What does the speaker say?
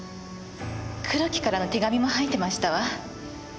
黒木からの手紙も入ってましたわ。